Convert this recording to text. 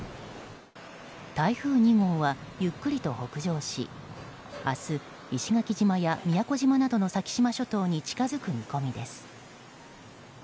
台風２号はゆっくりと北上し明日石垣島や宮古島などの先島諸島に近づく見込みです。